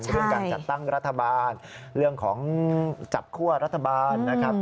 เรื่องการจัดตั้งรัฐบาลเรื่องของจับคั่วรัฐบาลนะครับ